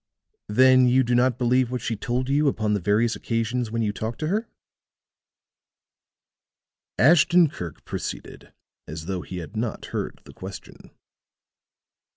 "Then you do not believe what she told you upon the various occasions when you talked to her?" Ashton Kirk proceeded as though he had not heard the question.